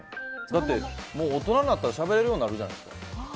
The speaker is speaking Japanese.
だって、大人になったらしゃべれるようになるじゃないですか。